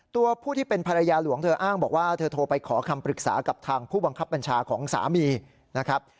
ตัวผู้ที่เป็นภรรยาหลวงเธออ้างบอกว่าเธอโทรไปขอคำปรึกษากับทางผู้บังคับบัญชาของสามีนะครับ